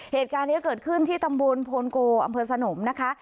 เหตุการณ์นี้เกิดขึ้นที่ตำบลโพนโกอำเภอสนมนะคะ